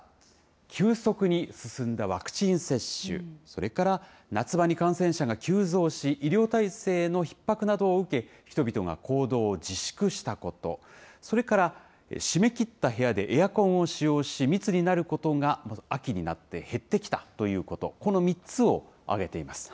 急速に進んだワクチン接種、それから、夏場に感染者が急増し、医療体制のひっ迫などを受け、人々が行動を自粛したこと、それから、閉めきった部屋でエアコンを使用し、密になることが秋になって減ってきたということ、この３つを挙げています。